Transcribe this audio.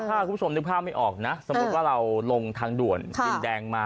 ถ้าคุณผู้ชมนึกภาพไม่ออกนะสมมุติว่าเราลงทางด่วนดินแดงมา